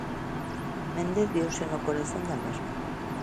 Méndez viuse no corazón da mesma.